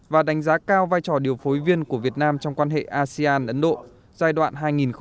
và đánh giá cao vai trò điều phối viên của việt nam trong quan hệ asean ấn độ giai đoạn hai nghìn một mươi sáu hai nghìn một mươi tám